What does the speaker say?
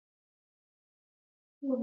د دوی د واکمنو کوم نوملړ نشته